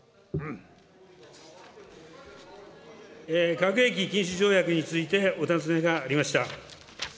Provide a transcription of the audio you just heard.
核兵器禁止条約についてお尋ねがありました。